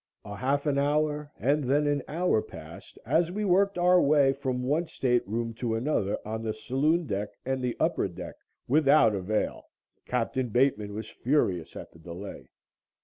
A half an hour and then an hour passed as we worked our way from one stateroom to another on the saloon deck and the upper deck without avail. Capt. Bateman was furious at the delay.